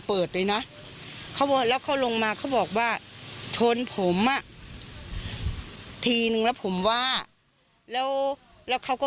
เปิดเลยนะเขาบอกแล้วเขาลงมาเขาบอกว่าชนผมอ่ะทีนึงแล้วผมว่าแล้วแล้วเขาก็